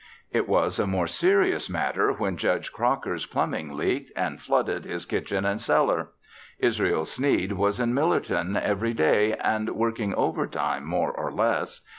It was a more serious matter when Judge Crocker's plumbing leaked and flooded his kitchen and cellar. Israel Sneed was in Millerton every day and working overtime more or less.